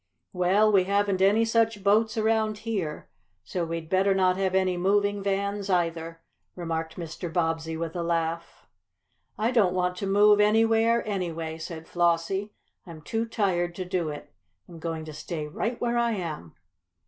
"Well, we haven't any such boats around here, so we'd better not have any moving vans either," remarked Mr. Bobbsey, with a laugh. "I don't want to move anywhere, anyway," said Flossie. "I'm too tired to do it. I'm going to stay right where I am."